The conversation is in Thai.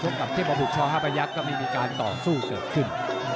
ไม่มีการต่อสู้เกิดขึ้น